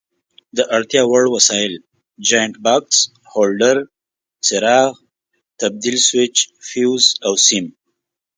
د اړتیا وړ وسایل: جاینټ بکس، هولډر، څراغ، تبدیل سویچ، فیوز او سیم.